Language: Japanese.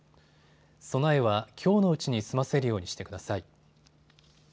備えは、きょうのうちに済ませるようにしてください。